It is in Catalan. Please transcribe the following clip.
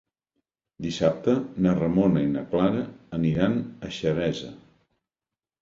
Dissabte na Ramona i na Clara aniran a Xeresa.